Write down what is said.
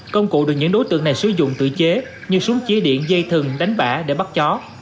công cụ được những đối tượng này sử dụng tự chế như súng chỉ điện dây thừng đánh bạ để bắt chó